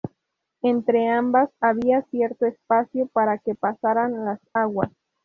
Entre ambas había cierto espacio para que pasaran las aguas.